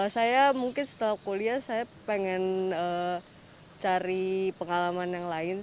saya mungkin setelah kuliah saya pengen cari pengalaman yang lain